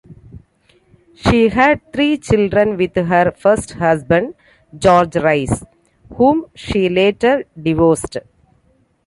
She had three children with her first husband, George Rice, whom she later divorced.